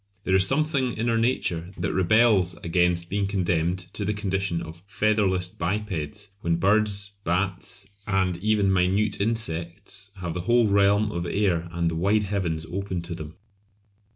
There is something in our nature that rebels against being condemned to the condition of "featherless bipeds" when birds, bats, and even minute insects have the whole realm of air and the wide heavens open to them.